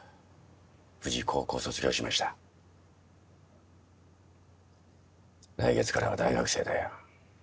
無事高校卒業しました来月からは大学生だよ